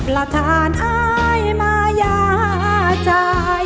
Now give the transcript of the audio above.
แล้วท่านอายมายาใจ